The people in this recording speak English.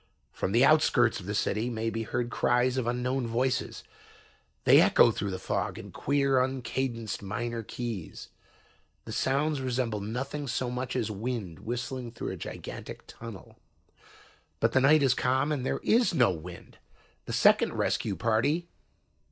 "From the outskirts of the city may be heard cries of unknown voices. They echo through the fog in queer uncadenced minor keys. The sounds resemble nothing so much as wind whistling through a gigantic tunnel. But the night is calm and there is no wind. The second rescue party...